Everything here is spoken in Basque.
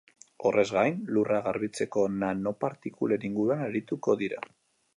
Horrez gain, lurra garbitzeko nanopartikulen inguruan arituko dira.